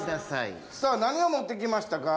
さあ何をもってきましたか。